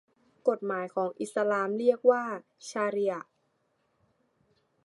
กฎหมายอิสลามเรียกว่าชาริอะฮ์